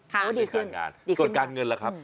ดูดีขึ้นส่วนการเงินล่ะครับ